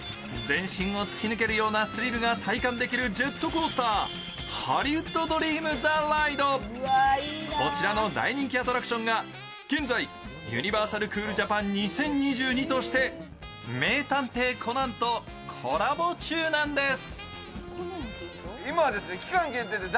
全身を突き抜けるようなスリルが体感できるジェットコースターこちらの大人気アトラクションが現在、「ユニバーサル・クールジャパン２０２２」として「名探偵コナン」とコラボ中なんです。